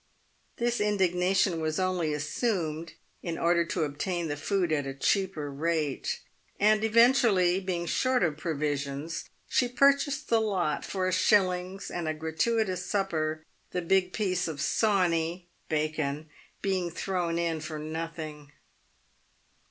This indignation was only assumed, in order to obtain the food at a cheaper rate ; and eventually — being short of provisions — she pur chased the lot for a shilling and a gratuitous supper, the big piece of " sawney" (bacon) being thrown in for nothing.